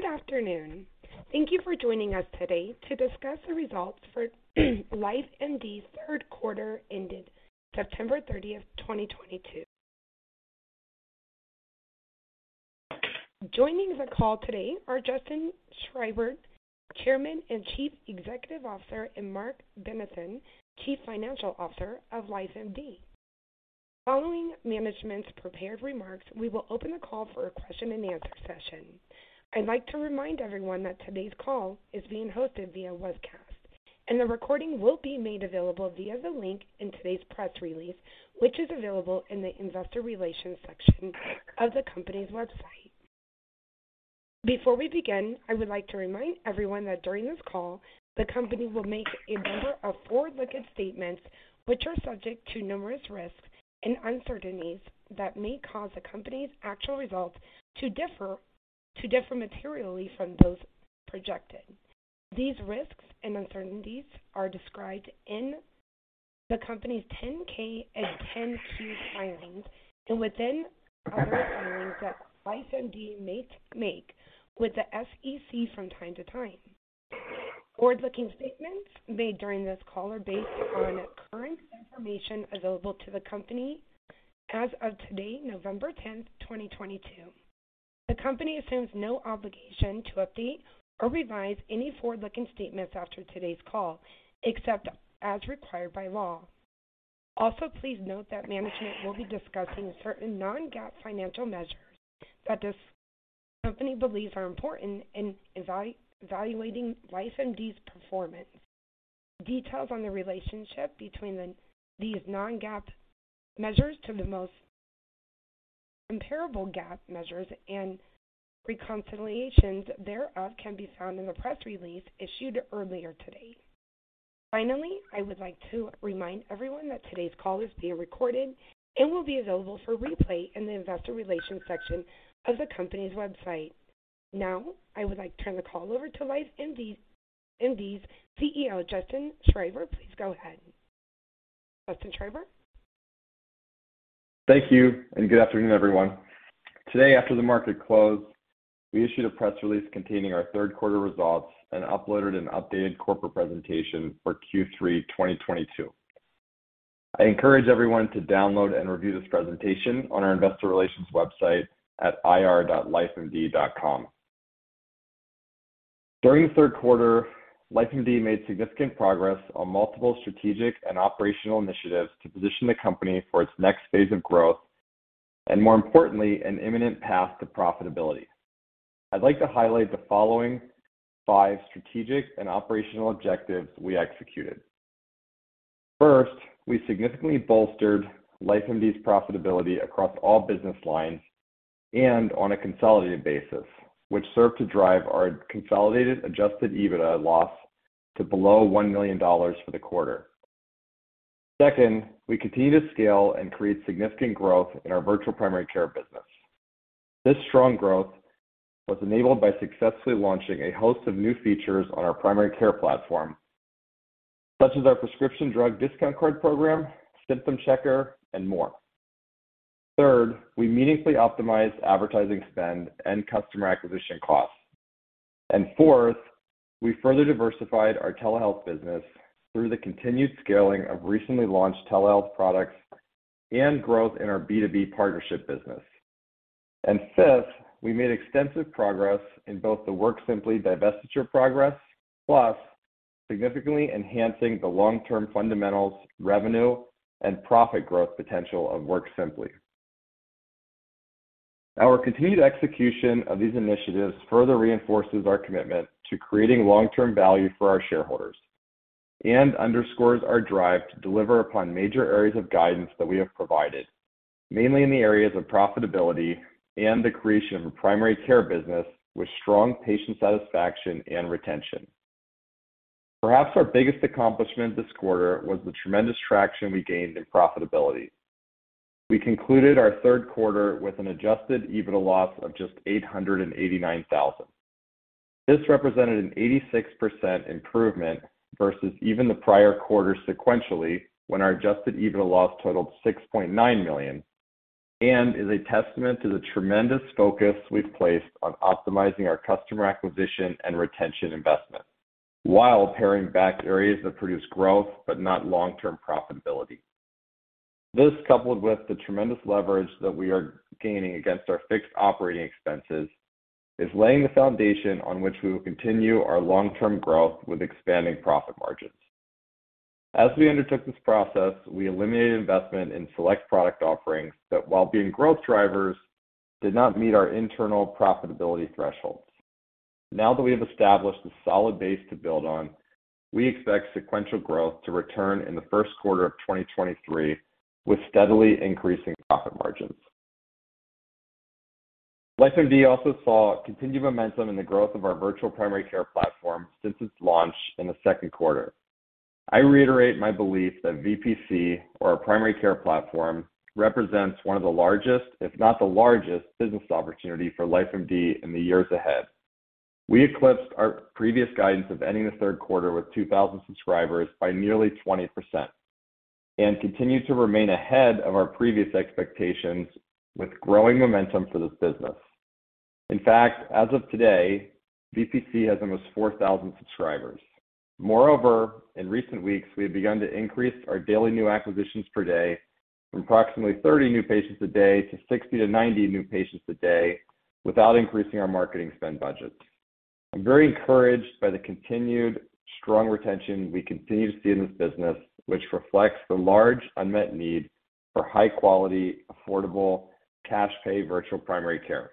Good afternoon. Thank you for joining us today to discuss the results for LifeMD's third quarter ended September 30, 2022. Joining the call today are Justin Schreiber, Chairman and Chief Executive Officer, and Marc Benathen, Chief Financial Officer of LifeMD. Following management's prepared remarks, we will open the call for a question and answer session. I'd like to remind everyone that today's call is being hosted via webcast, and the recording will be made available via the link in today's press release, which is available in the investor relations section of the company's website. Before we begin, I would like to remind everyone that during this call, the company will make a number of forward-looking statements which are subject to numerous risks and uncertainties that may cause the company's actual results to differ materially from those projected. These risks and uncertainties are described in the company's 10-K and 10-Q filings and within other filings that LifeMD may make with the SEC from time to time. Forward-looking statements made during this call are based on current information available to the company as of today, November tenth, 2022. The company assumes no obligation to update or revise any forward-looking statements after today's call, except as required by law. Also, please note that management will be discussing certain non-GAAP financial measures that this company believes are important in evaluating LifeMD's performance. Details on the relationship between these non-GAAP measures to the most comparable GAAP measures and reconciliations thereof can be found in the press release issued earlier today. Finally, I would like to remind everyone that today's call is being recorded and will be available for replay in the investor relations section of the company's website. Now, I would like to turn the call over to LifeMD's CEO, Justin Schreiber. Please go ahead. Justin Schreiber. Thank you and good afternoon, everyone. Today, after the market closed, we issued a press release containing our third quarter results and uploaded an updated corporate presentation for Q3 2022. I encourage everyone to download and review this presentation on our investor relations website at ir.lifemd.com. During the third quarter, LifeMD made significant progress on multiple strategic and operational initiatives to position the company for its next phase of growth, and more importantly, an imminent path to profitability. I'd like to highlight the following five strategic and operational objectives we executed. First, we significantly bolstered LifeMD's profitability across all business lines and on a consolidated basis, which served to drive our consolidated Adjusted EBITDA loss to below $1 million for the quarter. Second, we continue to scale and create significant growth in our virtual primary care business. This strong growth was enabled by successfully launching a host of new features on our primary care platform, such as our prescription drug discount card program, symptom checker, and more. Third, we meaningfully optimized advertising spend and customer acquisition costs. Fourth, we further diversified our telehealth business through the continued scaling of recently launched telehealth products and growth in our B2B partnership business. Fifth, we made extensive progress in both the WorkSimpli divestiture progress, plus significantly enhancing the long-term fundamentals, revenue, and profit growth potential of WorkSimpli. Our continued execution of these initiatives further reinforces our commitment to creating long-term value for our shareholders and underscores our drive to deliver upon major areas of guidance that we have provided, mainly in the areas of profitability and the creation of a primary care business with strong patient satisfaction and retention. Perhaps our biggest accomplishment this quarter was the tremendous traction we gained in profitability. We concluded our third quarter with an Adjusted EBITDA loss of just $889,000. This represented an 86% improvement versus even the prior quarter sequentially when our Adjusted EBITDA loss totaled $6.9 million, and is a testament to the tremendous focus we've placed on optimizing our customer acquisition and retention investment while paring back areas that produce growth but not long-term profitability. This, coupled with the tremendous leverage that we are gaining against our fixed operating expenses, is laying the foundation on which we will continue our long-term growth with expanding profit margins. As we undertook this process, we eliminated investment in select product offerings that, while being growth drivers, did not meet our internal profitability thresholds. Now that we have established a solid base to build on, we expect sequential growth to return in the first quarter of 2023 with steadily increasing profit margins. LifeMD also saw continued momentum in the growth of our virtual primary care platform since its launch in the second quarter. I reiterate my belief that VPC or our primary care platform represents one of the largest, if not the largest, business opportunity for LifeMD in the years ahead. We eclipsed our previous guidance of ending the third quarter with 2,000 subscribers by nearly 20%. We continue to remain ahead of our previous expectations with growing momentum for this business. In fact, as of today, VPC has almost 4,000 subscribers. Moreover, in recent weeks, we have begun to increase our daily new acquisitions per day from approximately 30 new patients a day to 60 to 90 new patients a day without increasing our marketing spend budget. I'm very encouraged by the continued strong retention we continue to see in this business, which reflects the large unmet need for high-quality, affordable cash pay virtual primary care.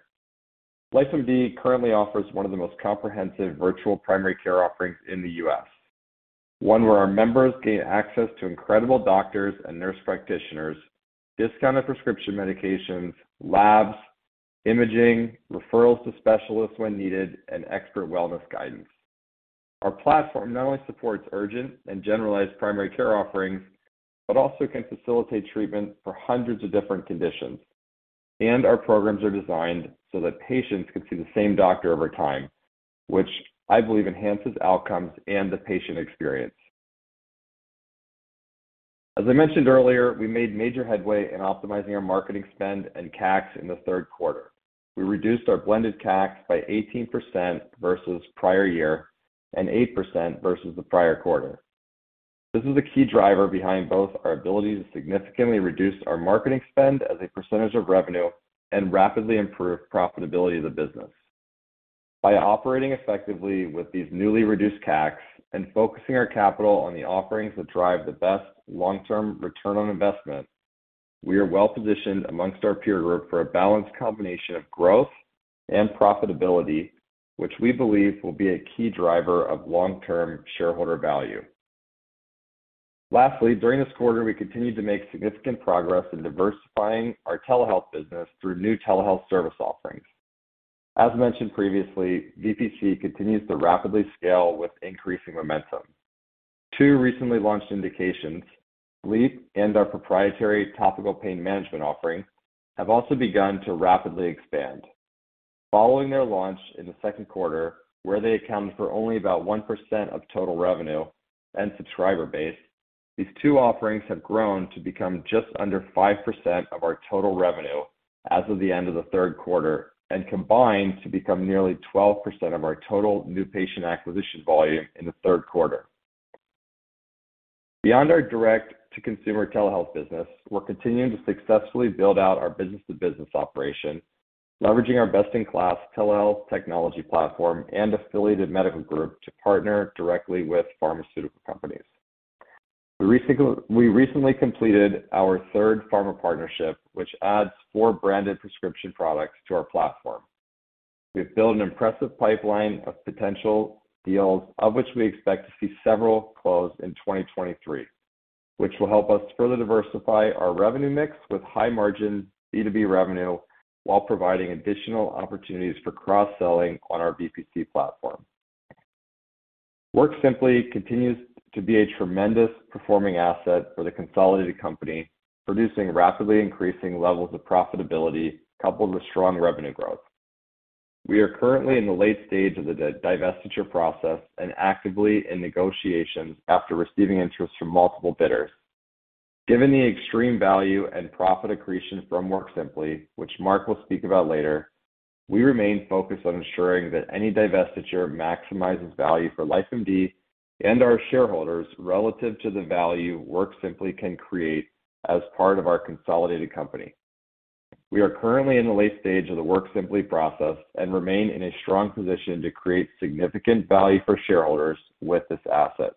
LifeMD currently offers one of the most comprehensive virtual primary care offerings in the U.S. One where our members gain access to incredible doctors and nurse practitioners, discounted prescription medications, labs, imaging, referrals to specialists when needed, and expert wellness guidance. Our platform not only supports urgent and generalized primary care offerings, but also can facilitate treatment for hundreds of different conditions. Our programs are designed so that patients can see the same doctor over time, which I believe enhances outcomes and the patient experience. As I mentioned earlier, we made major headway in optimizing our marketing spend and CAC in the third quarter. We reduced our blended CAC by 18% versus prior year and 8% versus the prior quarter. This is a key driver behind both our ability to significantly reduce our marketing spend as a percentage of revenue and rapidly improve profitability of the business. By operating effectively with these newly reduced CACs and focusing our capital on the offerings that drive the best long-term return on investment, we are well-positioned amongst our peer group for a balanced combination of growth and profitability, which we believe will be a key driver of long-term shareholder value. Lastly, during this quarter, we continued to make significant progress in diversifying our telehealth business through new telehealth service offerings. As mentioned previously, VPC continues to rapidly scale with increasing momentum. Two recently launched indications, LifeMD+ and our proprietary topical pain management offering, have also begun to rapidly expand. Following their launch in the second quarter, where they accounted for only about 1% of total revenue and subscriber base, these two offerings have grown to become just under 5% of our total revenue as of the end of the third quarter, and combined to become nearly 12% of our total new patient acquisition volume in the third quarter. Beyond our direct-to-consumer telehealth business, we're continuing to successfully build out our business-to-business operation, leveraging our best-in-class telehealth technology platform and affiliated medical group to partner directly with pharmaceutical companies. We recently completed our third pharma partnership, which adds four branded prescription products to our platform. We've built an impressive pipeline of potential deals, of which we expect to see several close in 2023, which will help us further diversify our revenue mix with high-margin B2B revenue while providing additional opportunities for cross-selling on our VPC platform. WorkSimpli continues to be a tremendous performing asset for the consolidated company, producing rapidly increasing levels of profitability coupled with strong revenue growth. We are currently in the late stage of the divestiture process and actively in negotiations after receiving interest from multiple bidders. Given the extreme value and profit accretion from WorkSimpli, which Marc will speak about later, we remain focused on ensuring that any divestiture maximizes value for LifeMD and our shareholders relative to the value WorkSimpli can create as part of our consolidated company. We are currently in the late stage of the WorkSimpli process and remain in a strong position to create significant value for shareholders with this asset.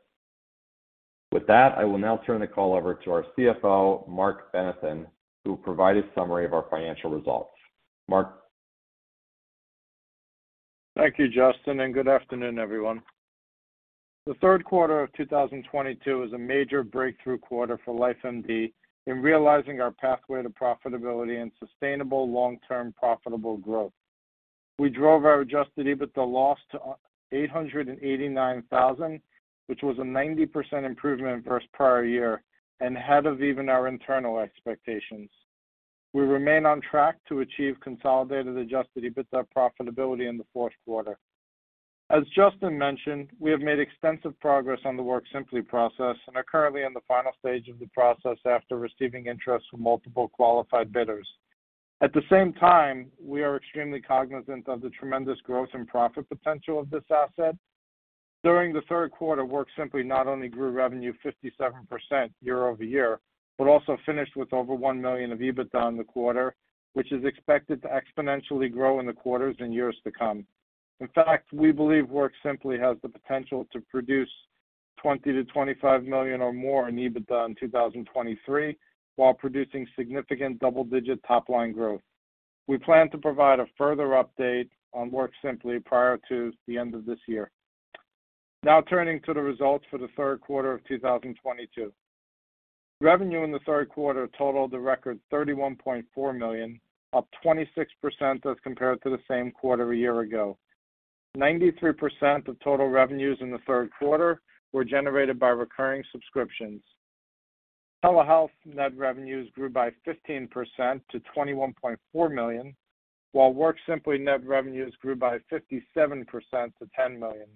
With that, I will now turn the call over to our CFO, Marc Benathen, who will provide a summary of our financial results. Marc? Thank you, Justin, and good afternoon, everyone. The third quarter of 2022 was a major breakthrough quarter for LifeMD in realizing our pathway to profitability and sustainable long-term profitable growth. We drove our adjusted EBITDA loss to $889,000, which was a 90% improvement versus prior year and ahead of even our internal expectations. We remain on track to achieve consolidated adjusted EBITDA profitability in the fourth quarter. As Justin mentioned, we have made extensive progress on the WorkSimpli process and are currently in the final stage of the process after receiving interest from multiple qualified bidders. At the same time, we are extremely cognizant of the tremendous growth and profit potential of this asset. During the third quarter, WorkSimpli not only grew revenue 57% year-over-year, but also finished with over $1 million of EBITDA in the quarter, which is expected to exponentially grow in the quarters and years to come. In fact, we believe WorkSimpli has the potential to produce $20 million-$25 million or more in EBITDA in 2023 while producing significant double-digit top-line growth. We plan to provide a further update on WorkSimpli prior to the end of this year. Now turning to the results for the third quarter of 2022. Revenue in the third quarter totaled a record $31.4 million, up 26% as compared to the same quarter a year ago. 93% of total revenues in the third quarter were generated by recurring subscriptions. Telehealth net revenues grew by 15% to $21.4 million, while WorkSimpli net revenues grew by 57% to $10 million.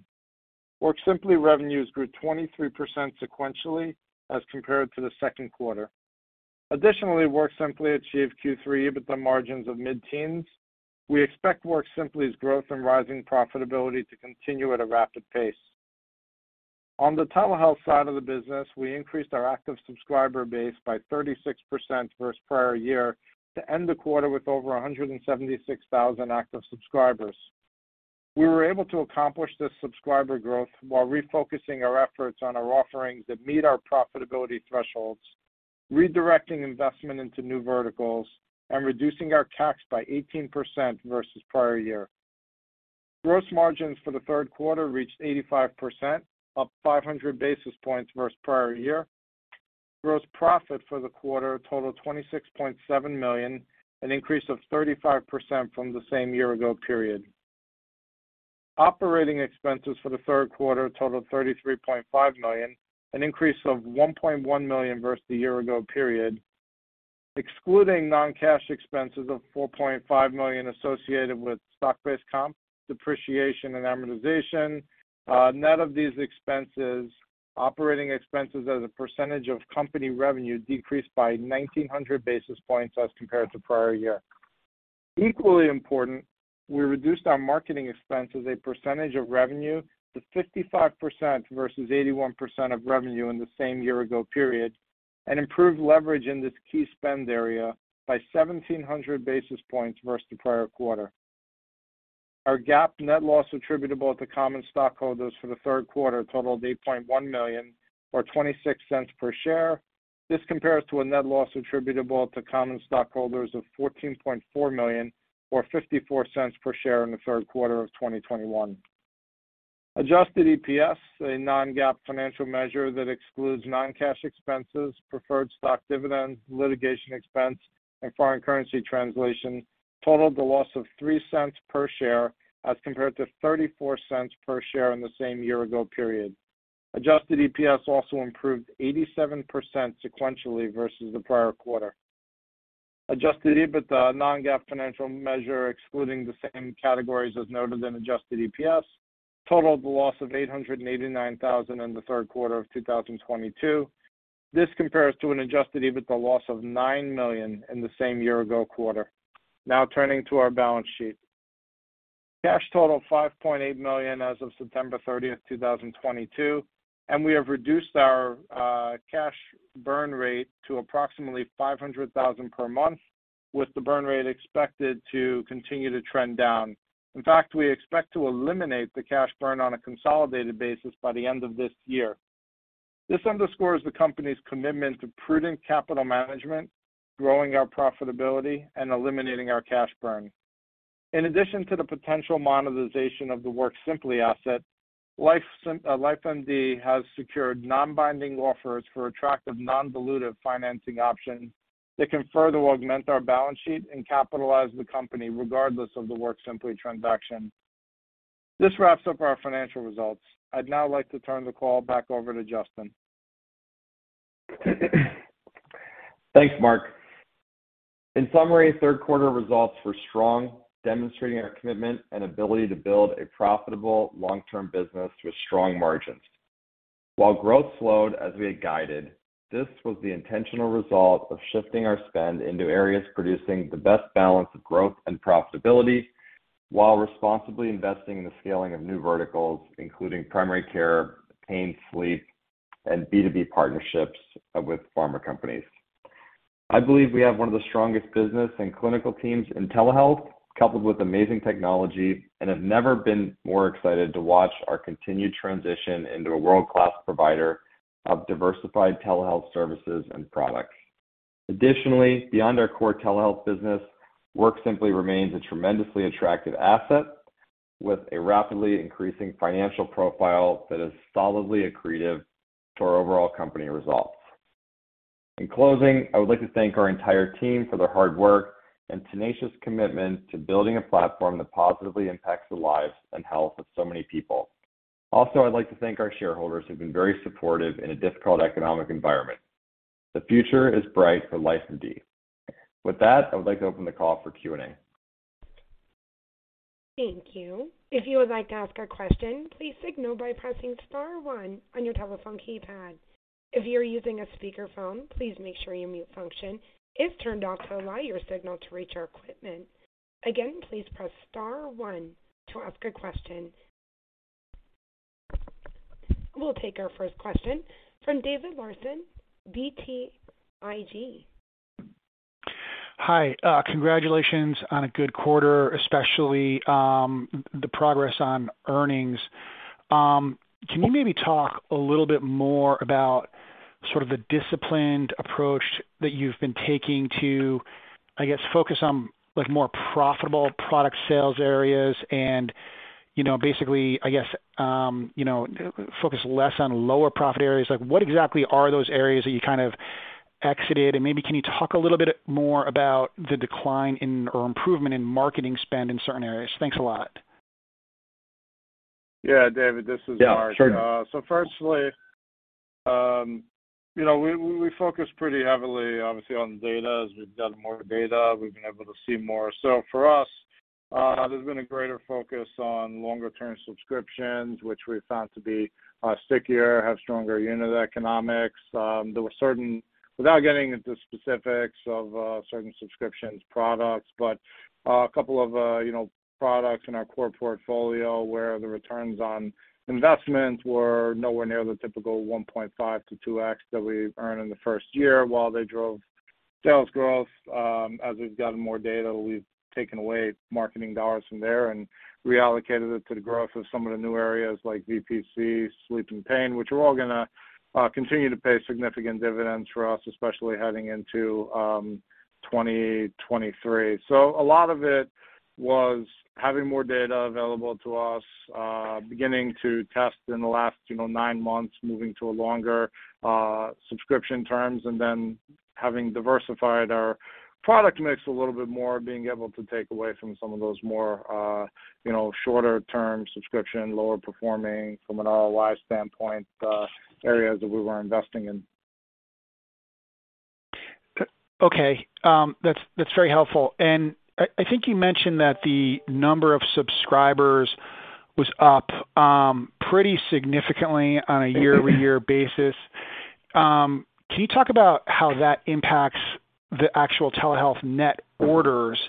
WorkSimpli revenues grew 23% sequentially as compared to the second quarter. Additionally, WorkSimpli achieved Q3 EBITDA margins of mid-teens. We expect WorkSimpli's growth and rising profitability to continue at a rapid pace. On the telehealth side of the business, we increased our active subscriber base by 36% versus prior year to end the quarter with over 176,000 active subscribers. We were able to accomplish this subscriber growth while refocusing our efforts on our offerings that meet our profitability thresholds, redirecting investment into new verticals, and reducing our CAC by 18% versus prior year. Gross margins for the third quarter reached 85%, up 500 basis points versus prior year. Gross profit for the quarter totaled $26.7 million, an increase of 35% from the same year ago period. Operating expenses for the third quarter totaled $33.5 million, an increase of $1.1 million versus the year ago period. Excluding non-cash expenses of $4.5 million associated with stock-based comp, depreciation, and amortization, net of these expenses, operating expenses as a percentage of company revenue decreased by 1,900 basis points as compared to prior year. Equally important, we reduced our marketing expenses a percentage of revenue to 55% versus 81% of revenue in the same year ago period, and improved leverage in this key spend area by 1,700 basis points versus the prior quarter. Our GAAP net loss attributable to common stockholders for the third quarter totaled $8.1 million or $0.26 per share. This compares to a net loss attributable to common stockholders of $14.4 million or $0.54 per share in the third quarter of 2021. Adjusted EPS, a non-GAAP financial measure that excludes non-cash expenses, preferred stock dividends, litigation expense, and foreign currency translation, totaled a loss of $0.03 per share as compared to $0.34 per share in the same year ago period. Adjusted EPS also improved 87% sequentially versus the prior quarter. Adjusted EBITDA, a non-GAAP financial measure excluding the same categories as noted in adjusted EPS, totaled a loss of $889 thousand in the third quarter of 2022. This compares to an adjusted EBITDA loss of $9 million in the same year ago quarter. Now turning to our balance sheet. Cash totaled $5.8 million as of September 30, 2022, and we have reduced our cash burn rate to approximately $500,000 per month, with the burn rate expected to continue to trend down. In fact, we expect to eliminate the cash burn on a consolidated basis by the end of this year. This underscores the company's commitment to prudent capital management, growing our profitability, and eliminating our cash burn. In addition to the potential monetization of the WorkSimpli asset, LifeMD has secured non-binding offers for attractive non-dilutive financing options that can further augment our balance sheet and capitalize the company regardless of the WorkSimpli transaction. This wraps up our financial results. I'd now like to turn the call back over to Justin. Thanks, Marc. In summary, third quarter results were strong, demonstrating our commitment and ability to build a profitable long-term business with strong margins. While growth slowed as we had guided, this was the intentional result of shifting our spend into areas producing the best balance of growth and profitability while responsibly investing in the scaling of new verticals, including primary care, pain, sleep, and B2B partnerships with pharma companies. I believe we have one of the strongest business and clinical teams in telehealth, coupled with amazing technology and have never been more excited to watch our continued transition into a world-class provider of diversified telehealth services and products. Additionally, beyond our core telehealth business, WorkSimpli remains a tremendously attractive asset with a rapidly increasing financial profile that is solidly accretive to our overall company results. In closing, I would like to thank our entire team for their hard work and tenacious commitment to building a platform that positively impacts the lives and health of so many people. Also, I'd like to thank our shareholders who've been very supportive in a difficult economic environment. The future is bright for LifeMD. With that, I would like to open the call for Q&A. Thank you. If you would like to ask a question, please signal by pressing star one on your telephone keypad. If you're using a speakerphone, please make sure your mute function is turned off to allow your signal to reach our equipment. Again, please press star one to ask a question. We'll take our first question from David Larsen, BTIG. Hi, congratulations on a good quarter, especially the progress on earnings. Can you maybe talk a little bit more about sort of the disciplined approach that you've been taking to, I guess, focus on like more profitable product sales areas and, you know, basically, I guess, you know, focus less on lower profit areas. Like what exactly are those areas that you kind of exited? Maybe can you talk a little bit more about the decline in or improvement in marketing spend in certain areas? Thanks a lot. Yeah, David, this is Marc. Yeah, sure. You know, we focus pretty heavily obviously on data. As we've gotten more data, we've been able to see more. For us, there's been a greater focus on longer-term subscriptions, which we've found to be stickier, have stronger unit economics. There were certain subscription products, but a couple of products in our core portfolio where the returns on investments were nowhere near the typical 1.5x-2x that we earn in the first year while they drove sales growth. As we've gotten more data, we've taken away marketing dollars from there and reallocated it to the growth of some of the new areas like VPC, sleep, and pain, which are all gonna continue to pay significant dividends for us, especially heading into 2023. A lot of it was having more data available to us, beginning to test in the last, you know, nine months, moving to a longer subscription terms, and then having diversified our product mix a little bit more, being able to take away from some of those more, you know, shorter-term subscription, lower performing from an ROI standpoint, areas that we were investing in. Okay. That's very helpful. I think you mentioned that the number of subscribers was up pretty significantly on a year-over-year basis. Can you talk about how that impacts the actual telehealth net orders?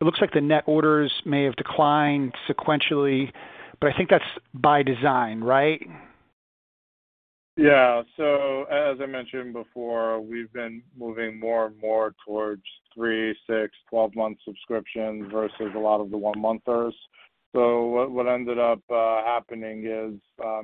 It looks like the net orders may have declined sequentially, but I think that's by design, right? Yeah. As I mentioned before, we've been moving more and more towards three, six, 12-month subscriptions versus a lot of the 1-monthers. What ended up happening is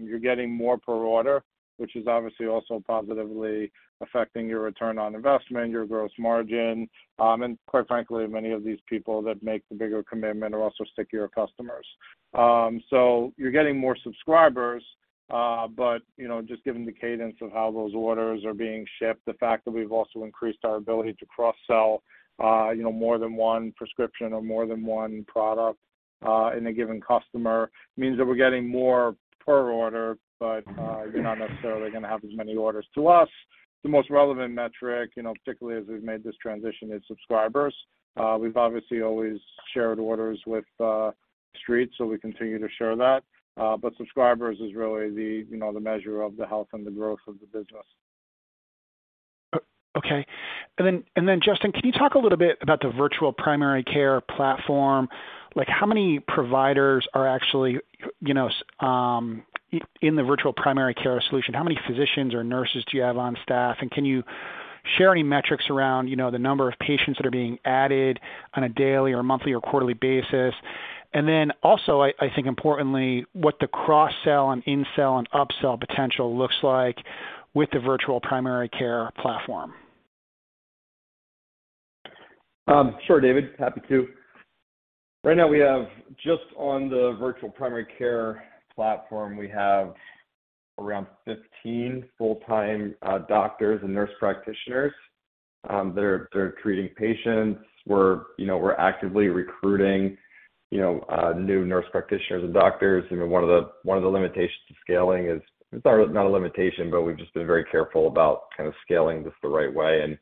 you're getting more per order, which is obviously also positively affecting your return on investment, your gross margin. Quite frankly, many of these people that make the bigger commitment are also stickier customers. You're getting more subscribers, but you know, just given the cadence of how those orders are being shipped, the fact that we've also increased our ability to cross-sell, you know, more than one prescription or more than one product in a given customer means that we're getting more per order, but you're not necessarily gonna have as many orders. To us, the most relevant metric, you know, particularly as we've made this transition, is subscribers. We've obviously always shared orders with Street, so we continue to share that. Subscribers is really the, you know, the measure of the health and the growth of the business. Okay. Justin, can you talk a little bit about the virtual primary care platform? Like, how many providers are actually, you know, in the virtual primary care solution, how many physicians or nurses do you have on staff? And can you share any metrics around, you know, the number of patients that are being added on a daily or monthly or quarterly basis? And then also I think importantly, what the cross-sell and in-sell and upsell potential looks like with the virtual primary care platform. Sure, David. Happy to. Right now we have just on the virtual primary care platform, we have around 15 full-time doctors and nurse practitioners that are treating patients. You know, we're actively recruiting, you know, new nurse practitioners and doctors. You know, one of the limitations to scaling is. It's not really a limitation, but we've just been very careful about kind of scaling this the right way and,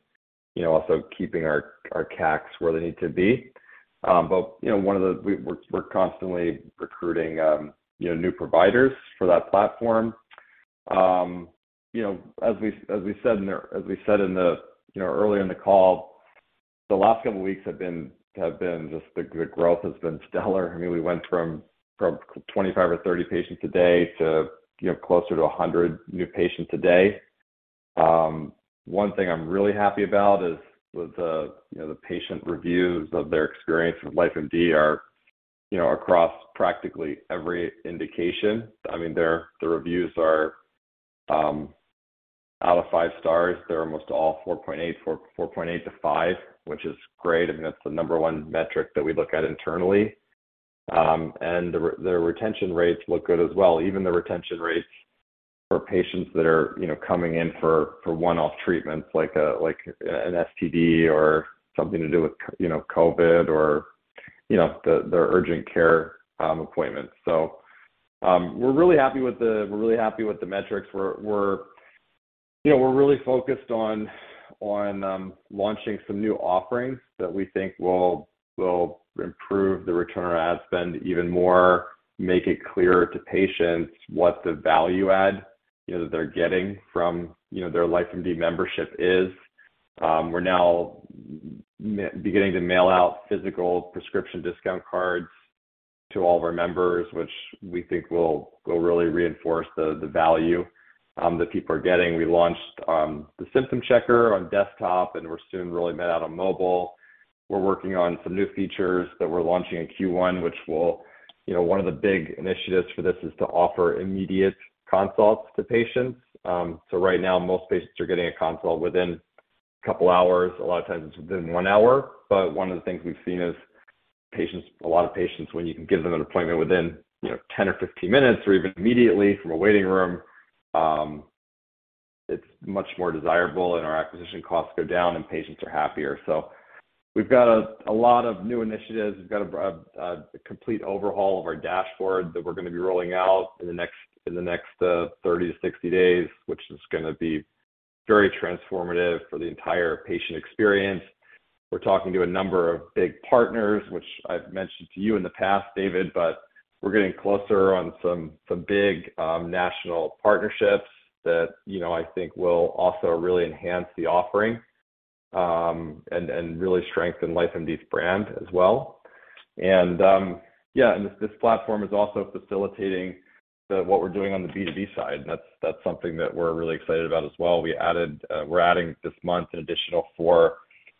you know, also keeping our CACs where they need to be. We're constantly recruiting, you know, new providers for that platform. You know, as we said in the, you know, earlier in the call, the last couple of weeks have been just the growth has been stellar. I mean, we went from 25 or 30 patients a day to, you know, closer to 100 new patients a day. One thing I'm really happy about is with the, you know, the patient reviews of their experience with LifeMD are, you know, across practically every indication. I mean, the reviews are out of five stars, they're almost all 4.8-5, which is great. I mean, that's the number one metric that we look at internally. The retention rates look good as well. Even the retention rates for patients that are, you know, coming in for one-off treatments like an STD or something to do with COVID or, you know, their urgent care appointments. We're really happy with the metrics. We're really focused on launching some new offerings that we think will improve the return on ad spend even more, make it clearer to patients what the value add, you know, that they're getting from, you know, their LifeMD membership is. We're now beginning to mail out physical prescription discount cards to all of our members, which we think will really reinforce the value that people are getting. We launched the symptom checker on desktop, and we're soon rolling that out on mobile. We're working on some new features that we're launching in Q1, which will you know, one of the big initiatives for this is to offer immediate consults to patients. Right now, most patients are getting a consult within a couple of hours. A lot of times it's within one hour. One of the things we've seen is patients, a lot of patients, when you can give them an appointment within, you know, 10 or 15 minutes or even immediately from a waiting room, it's much more desirable and our acquisition costs go down and patients are happier. We've got a lot of new initiatives. We've got a complete overhaul of our dashboard that we're gonna be rolling out in the next 30-60 days, which is gonna be very transformative for the entire patient experience. We're talking to a number of big partners, which I've mentioned to you in the past, David, but we're getting closer on some big national partnerships that, you know, I think will also really enhance the offering, and really strengthen LifeMD's brand as well. This platform is also facilitating what we're doing on the B2B side, and that's something that we're really excited about as well. We're adding this month an additional four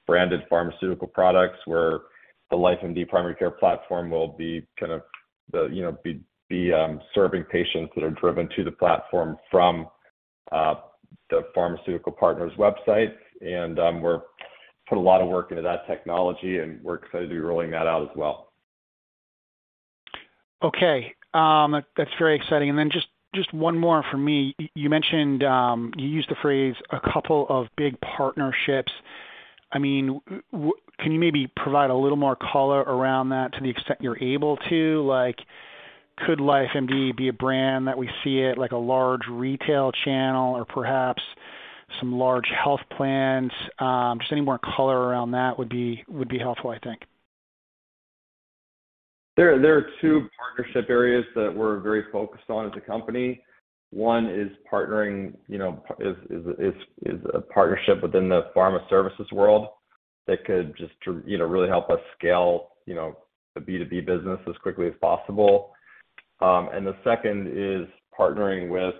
branded pharmaceutical products where the LifeMD primary care platform will be kind of the, you know, be serving patients that are driven to the platform from the pharmaceutical partners website. We've put a lot of work into that technology, and we're excited to be rolling that out as well. Okay. That's very exciting. Just one more from me. You mentioned you used the phrase a couple of big partnerships. I mean, can you maybe provide a little more color around that to the extent you're able to? Like, could LifeMD be a brand that we see at, like, a large retail channel or perhaps some large health plans? Just any more color around that would be helpful, I think. There are two partnership areas that we're very focused on as a company. One is partnering, you know, is a partnership within the pharma services world that could you know, really help us scale, you know, the B2B business as quickly as possible. The second is partnering with,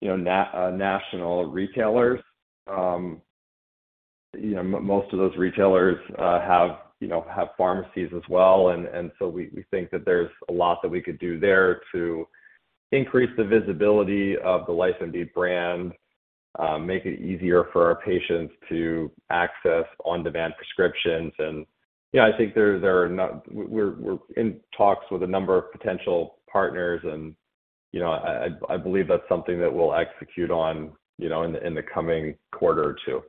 you know, national retailers. You know, most of those retailers have pharmacies as well. We think that there's a lot that we could do there to increase the visibility of the LifeMD brand, make it easier for our patients to access on-demand prescriptions. Yeah, I think we're in talks with a number of potential partners and, you know, I believe that's something that we'll execute on, you know, in the coming quarter or two.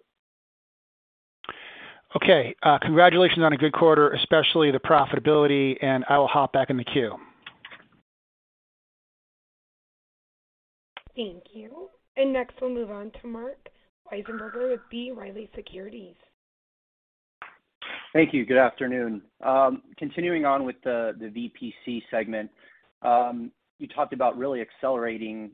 Okay. Congratulations on a good quarter, especially the profitability, and I will hop back in the queue. Thank you. Next, we'll move on to Marc Wiesenberger with B. Riley Securities. Thank you. Good afternoon. Continuing on with the VPC segment, you talked about really accelerating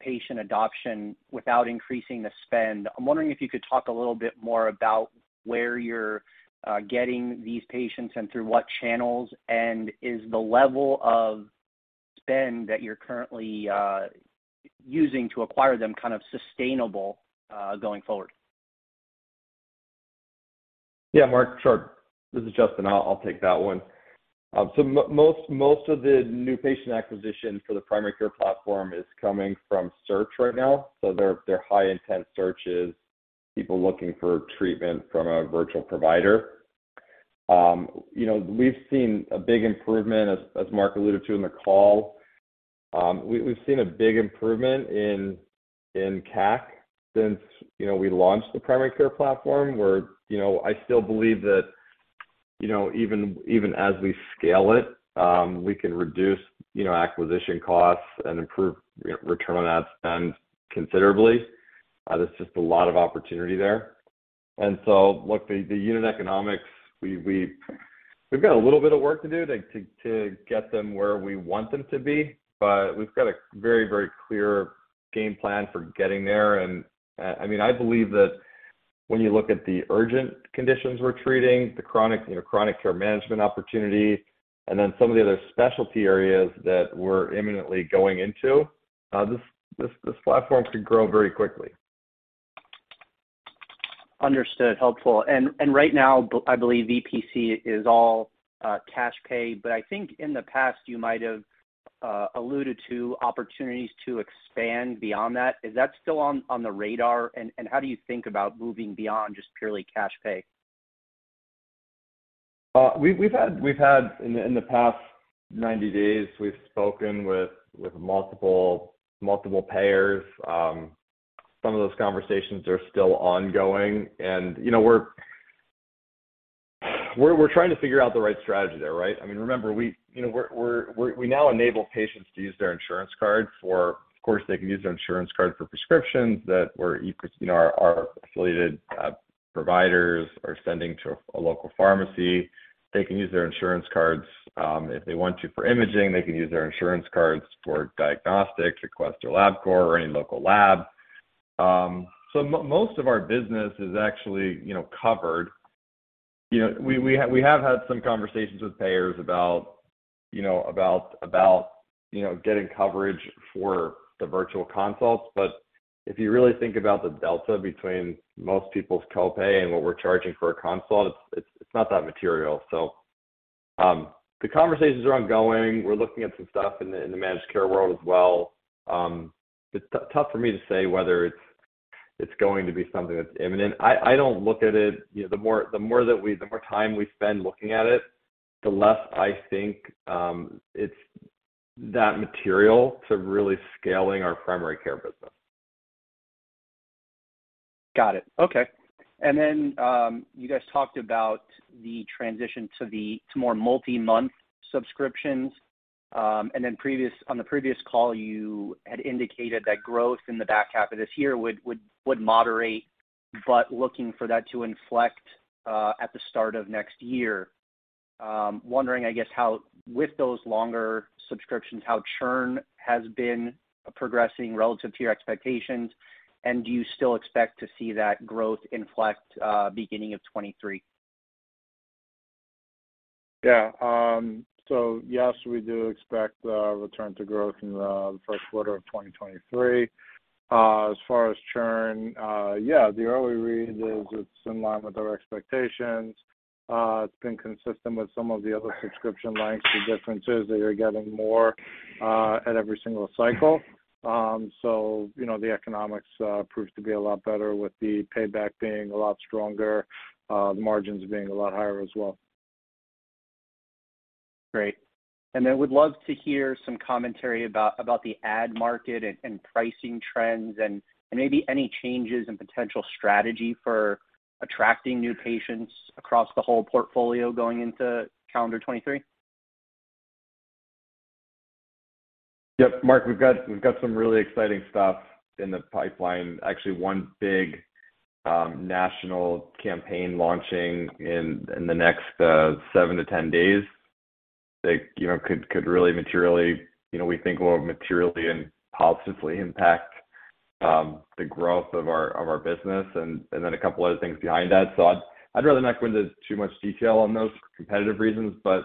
patient adoption without increasing the spend. I'm wondering if you could talk a little bit more about where you're getting these patients and through what channels, and is the level of spend that you're currently using to acquire them kind of sustainable going forward? Yeah, Marc. Sure. This is Justin. I'll take that one. Most of the new patient acquisition for the primary care platform is coming from search right now. They're high-intent searches, people looking for treatment from a virtual provider. You know, we've seen a big improvement, as Marc alluded to in the call. We've seen a big improvement in CAC since we launched the primary care platform where, you know, I still believe that, you know, even as we scale it, we can reduce acquisition costs and improve return on ad spend considerably. There's just a lot of opportunity there. Look, the unit economics, we've got a little bit of work to do to get them where we want them to be, but we've got a very clear game plan for getting there. I mean, I believe that when you look at the urgent conditions we're treating, the chronic, you know, chronic care management opportunity, and then some of the other specialty areas that we're imminently going into, this platform could grow very quickly. Understood. Helpful. Right now I believe VPC is all cash pay, but I think in the past you might have alluded to opportunities to expand beyond that. Is that still on the radar? How do you think about moving beyond just purely cash pay? We've had in the past 90 days, we've spoken with multiple payers. Some of those conversations are still ongoing. You know, we're trying to figure out the right strategy there, right? I mean, remember, you know, we now enable patients to use their insurance card for, of course, they can use their insurance card for prescriptions that we're e-prescribing, our affiliated providers are sending to a local pharmacy. They can use their insurance cards, if they want to, for imaging. They can use their insurance cards for diagnostics, request a Labcorp or any local lab. So most of our business is actually, you know, covered. You know, we have had some conversations with payers about you know, getting coverage for the virtual consults. If you really think about the delta between most people's copay and what we're charging for a consult, it's not that material. The conversations are ongoing. We're looking at some stuff in the managed care world as well. It's tough for me to say whether it's going to be something that's imminent. I don't look at it. You know, the more time we spend looking at it, the less I think it's that material to really scaling our primary care business. Got it. Okay. You guys talked about the transition to more multi-month subscriptions. On the previous call, you had indicated that growth in the back half of this year would moderate, but looking for that to inflect at the start of next year. Wondering how, with those longer subscriptions, churn has been progressing relative to your expectations, and do you still expect to see that growth inflect beginning of 2023? Yeah. Yes, we do expect a return to growth in the first quarter of 2023. As far as churn, yeah, the early read is it's in line with our expectations. It's been consistent with some of the other subscription lengths. The difference is that you're getting more at every single cycle. You know, the economics proves to be a lot better with the payback being a lot stronger, the margins being a lot higher as well. Great. Then would love to hear some commentary about the ad market and pricing trends and maybe any changes in potential strategy for attracting new patients across the whole portfolio going into calendar 2023. Yep. Marc, we've got some really exciting stuff in the pipeline. Actually, one big national campaign launching in the next 7-10 days that you know could really materially you know we think will materially and positively impact the growth of our business. A couple other things behind that. I'd rather not go into too much detail on those for competitive reasons, but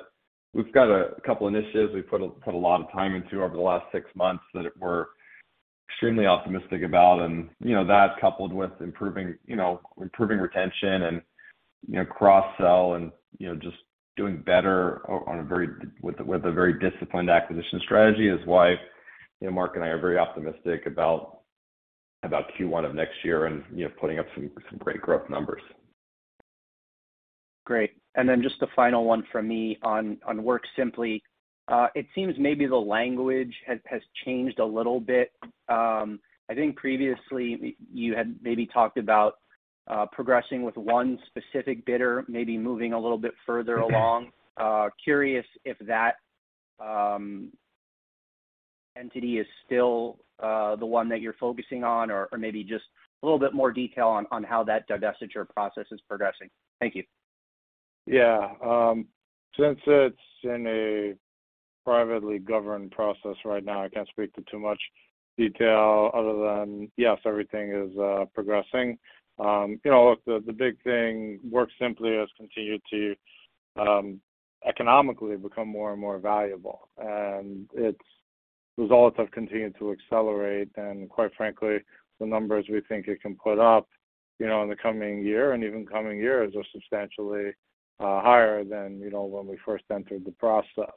we've got a couple initiatives we've put a lot of time into over the last six months that we're extremely optimistic about. You know, that coupled with improving retention and, you know, cross-sell and, you know, just doing better with a very disciplined acquisition strategy is why, you know, Marc and I are very optimistic about Q1 of next year and, you know, putting up some great growth numbers. Great. Just the final one from me on WorkSimpli. It seems maybe the language has changed a little bit. I think previously you had maybe talked about progressing with one specific bidder, maybe moving a little bit further along. Curious if that entity is still the one that you're focusing on or maybe just a little bit more detail on how that divestiture process is progressing. Thank you. Yeah. Since it's in a privately governed process right now, I can't speak to too much detail other than, yes, everything is progressing. You know, look, the big thing, WorkSimpli has continued to economically become more and more valuable, and its results have continued to accelerate. Quite frankly, the numbers we think it can put up, you know, in the coming year and even coming years are substantially higher than, you know, when we first entered the process.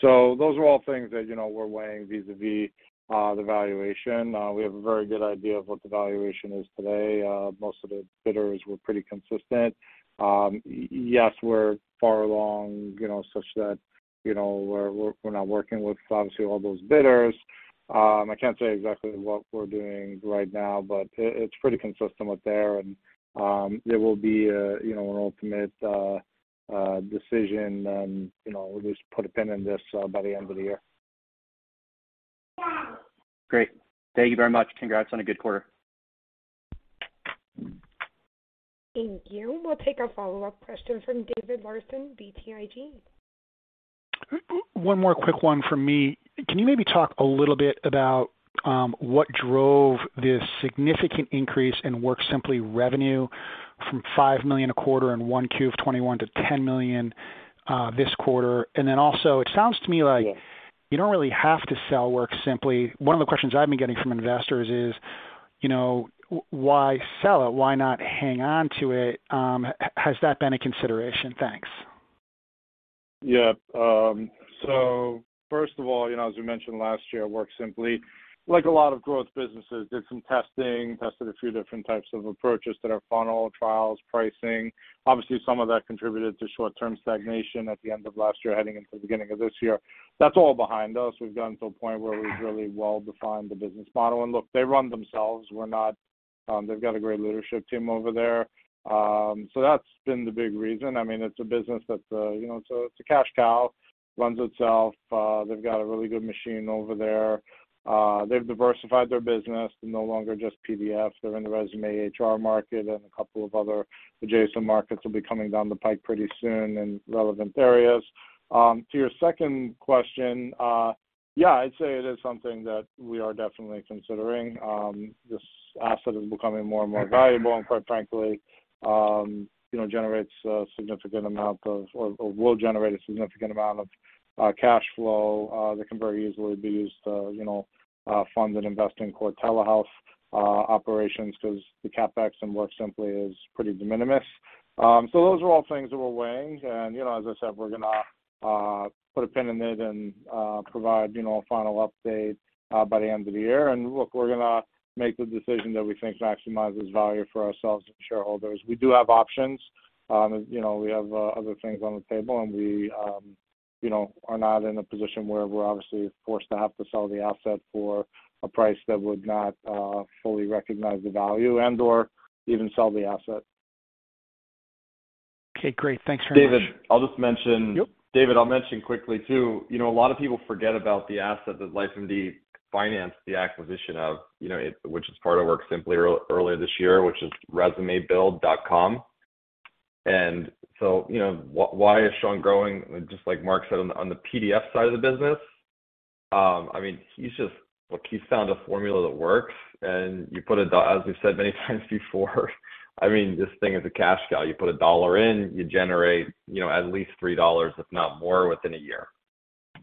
So those are all things that, you know, we're weighing vis-à-vis the valuation. We have a very good idea of what the valuation is today. Most of the bidders were pretty consistent. Yes, we're far along, you know, such that, you know, we're now working with obviously all those bidders. I can't say exactly what we're doing right now, but it's pretty consistent with that, and there will be, you know, an ultimate decision, and, you know, we'll just put a pin in this by the end of the year. Great. Thank you very much. Congrats on a good quarter. Thank you. We'll take a follow-up question from David Larsen, BTIG. One more quick one from me. Can you maybe talk a little bit about what drove this significant increase in WorkSimpli revenue from $5 million a quarter in 1Q 2021 to $10 million this quarter? Also, it sounds to me like you don't really have to sell WorkSimpli. One of the questions I've been getting from investors is, you know, why sell it? Why not hang on to it? Has that been a consideration? Thanks. Yeah. First of all, you know, as we mentioned last year, WorkSimpli, like a lot of growth businesses, did some testing, tested a few different types of approaches to their funnel, trials, pricing. Obviously, some of that contributed to short-term stagnation at the end of last year heading into the beginning of this year. That's all behind us. We've gotten to a point where we've really well-defined the business model. Look, they run themselves. They've got a great leadership team over there. That's been the big reason. I mean, it's a business that, you know, it's a cash cow, runs itself. They've got a really good machine over there. They've diversified their business. They're no longer just PDFs. They're in the resume HR market and a couple of other adjacent markets will be coming down the pipe pretty soon in relevant areas. To your second question, yeah, I'd say it is something that we are definitely considering. This asset is becoming more and more valuable and quite frankly, you know, generates a significant amount of, or will generate a significant amount of, cash flow that can very easily be used to, you know, fund and invest in core telehealth operations because the CapEx in WorkSimpli is pretty de minimis. So those are all things that we're weighing. You know, as I said, we're gonna put a pin in it and provide, you know, a final update by the end of the year. Look, we're gonna make the decision that we think maximizes value for ourselves and shareholders. We do have options. You know, we have other things on the table, and we, you know, are not in a position where we're obviously forced to have to sell the asset for a price that would not fully recognize the value and/or even sell the asset. Okay, great. Thanks very much. David, I'll mention quickly too, you know, a lot of people forget about the asset that LifeMD financed the acquisition of, you know, which is part of WorkSimpli earlier this year, which is ResumeBuild.com. You know, why is Sean growing, just like Marc said, on the PDF side of the business? I mean, he's just look, he's found a formula that works, and you put a as we've said many times before, I mean, this thing is a cash cow. You put a dollar in, you generate, you know, at least $3, if not more, within a year.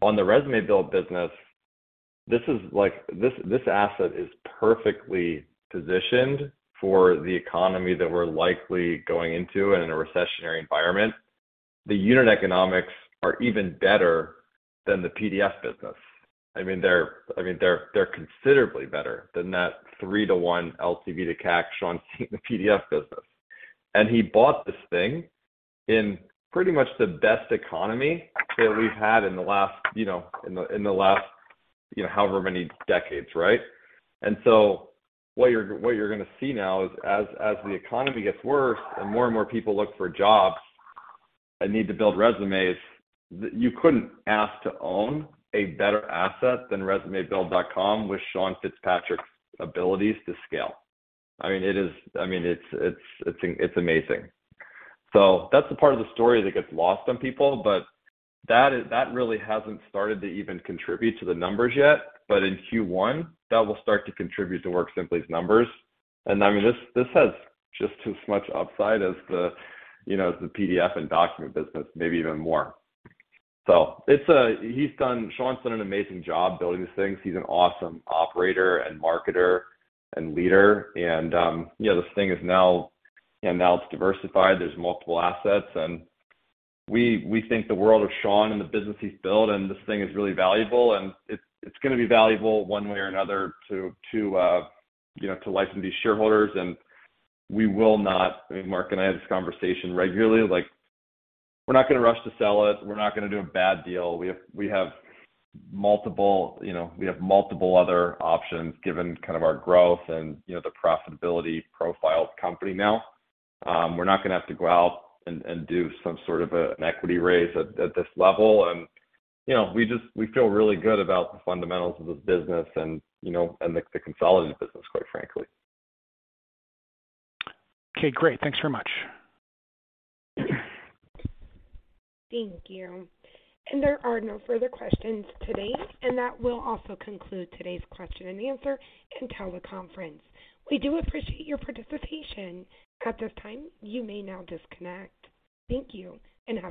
On the ResumeBuild business, this is like this asset is perfectly positioned for the economy that we're likely going into in a recessionary environment. The unit economics are even better than the PDF business. I mean, they're considerably better than that 3-to-1 LTV to CAC as seen in the PDF business. He bought this thing in pretty much the best economy that we've had in the last you know however many decades, right? What you're gonna see now is as the economy gets worse and more and more people look for jobs and need to build resumes, you couldn't ask to own a better asset than ResumeBuild.com with Sean Fitzpatrick's abilities to scale. I mean, it is. I mean, it's amazing. That's the part of the story that gets lost on people, but that really hasn't started to even contribute to the numbers yet. In Q1, that will start to contribute to WorkSimpli's numbers. I mean, this has just as much upside as the PDF and document business, maybe even more. Sean's done an amazing job building these things. He's an awesome operator and marketer and leader, and now it's diversified. There's multiple assets and we think the world of Sean and the business he's built, and this thing is really valuable, and it's gonna be valuable one way or another to LifeMD shareholders, and we will not, I mean, Marc and I have this conversation regularly, like, we're not gonna rush to sell it. We're not gonna do a bad deal. We have multiple other options given kind of our growth and, you know, the profitability profile of the company now. We're not gonna have to go out and do some sort of an equity raise at this level. You know, we feel really good about the fundamentals of the business and, you know, the consolidated business, quite frankly. Okay, great. Thanks very much. Thank you. There are no further questions today, and that will also conclude today's question and answer and teleconference. We do appreciate your participation. At this time, you may now disconnect. Thank you, and have a great day.